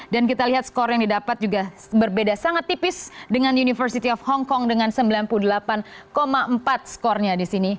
dan kita lihat skor yang didapat juga berbeda sangat tipis dengan university of hong kong dengan sembilan puluh delapan empat skornya di sini